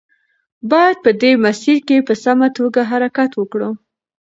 باید په دې مسیر کې په سمه توګه حرکت وکړو.